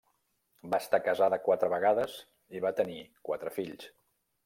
Va estar casada quatre vegades i va tenir quatre fills.